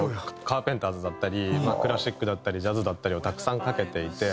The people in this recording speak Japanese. カーペンターズだったりクラシックだったりジャズだったりをたくさんかけていて。